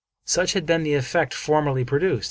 Such had been the effect formerly produced.